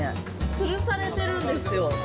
つるされてるんですよ。